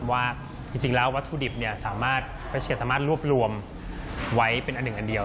ว่าจริงแล้ววัตถุดิบสามารถรวบรวมไว้เป็นอันเดียว